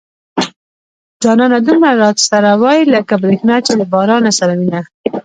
جانانه دومره را سره واي لکه بريښنا چې د بارانه سره وينه